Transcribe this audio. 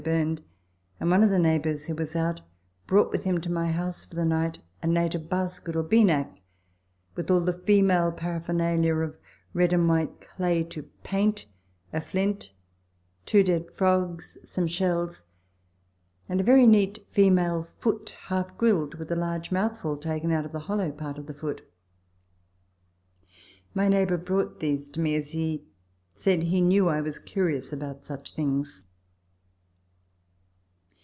burned, and one of the neighbours who was out brought with him to my house for the night a native basket or Been ak, with all the female paraphernalia of red and white clay to paint, a flint, two dead frogs, some shells, and a very neat female foot half grilled, with a large mouthful taken out of the hollow part of the foot. My neighbour brought these to me, as he said he knew I was curious about such things.